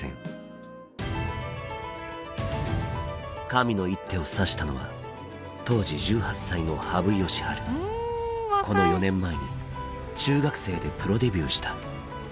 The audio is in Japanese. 神の一手を指したのはこの４年前に中学生でプロデビューした。